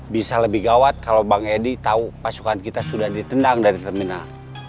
bisa lebih gawat kalau bang edi tahu pasukan kita sudah ditendang dari terminal